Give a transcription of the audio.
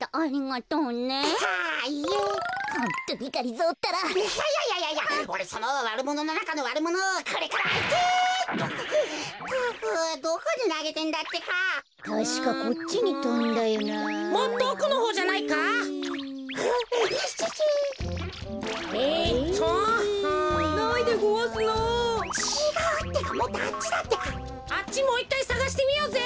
あっちもういっかいさがしてみようぜ。